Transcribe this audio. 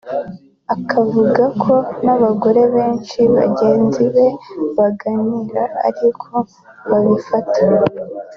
akavuga ko n’abagore benshi bagenzi be baganira ari ko babifata